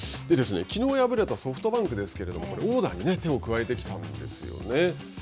きのう敗れたソフトバンクですけれども、オーダーに手を加えてきたんですよね。